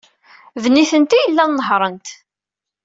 D nitenti ay yellan nehhṛent.